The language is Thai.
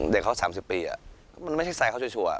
เด็กเขา๓๐ปีมันไม่ใช่สไตล์เขาจริง